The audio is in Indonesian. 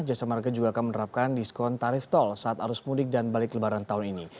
jasa marga juga akan menerapkan diskon tarif tol saat arus mudik dan balik lebaran tahun ini